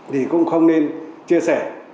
thì cũng không nên chia sẻ